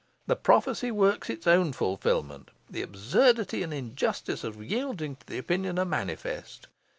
The prophecy works its own fulfilment. The absurdity and injustice of yielding to the opinion are manifest.